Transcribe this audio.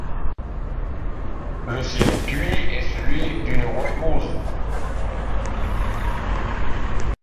Le circuit est celui d'une wild mouse.